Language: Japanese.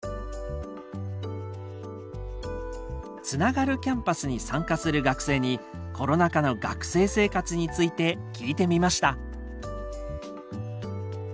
「つながるキャンパス」に参加する学生にコロナ禍の学生生活について聞いてみました。